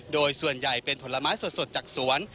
โดยส่วนใหญ่เป็นผลไม้สดจากสวน